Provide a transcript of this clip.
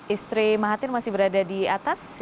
istri mahathir masih berada di atas